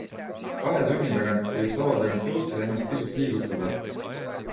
Kahe tunni tagant võiks laua tagant tõusta ja ennast pisut liigutada.